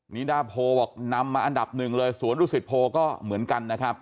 นิดาโพบอกนำมาอันดับหนึ่งเลยสวนดุสิตโพก็เหมือนกันนะครับ